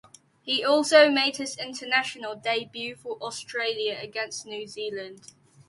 He also made his international debut for Australia against New Zealand.